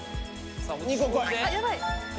２個こい！